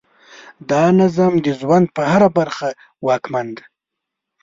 دا نظم د ژوند په هره برخه واکمن دی.